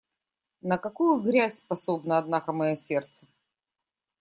На какую грязь способно, однако, мое сердце!